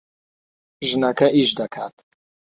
ژنەکە ئیش دەکات.